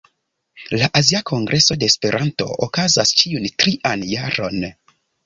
La Azia Kongreso de Esperanto okazas ĉiun trian jaron.